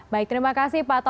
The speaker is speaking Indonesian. baik terima kasih pak toto